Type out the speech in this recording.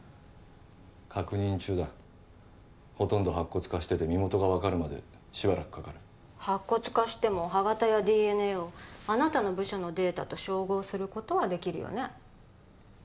確認中だほとんど白骨化してて身元が分かるまでしばらくかかる白骨化しても歯型やＤＮＡをあなたの部署のデータと照合することはできるよね？